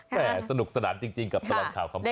แต่สนุกสนานจริงกับตลอดข่าวขำ